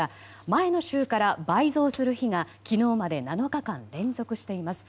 前の週から倍増する日が昨日まで７日間連続しています。